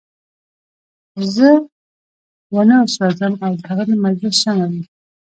زه وانه سوځم او هغه د مجلس شمع وي.